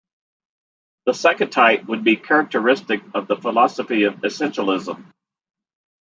The second type would be characteristic of the philosophy of essentialism.